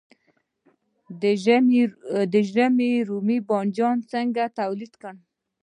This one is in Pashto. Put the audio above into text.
د ژمي رومي بانجان څنګه تولید کړم؟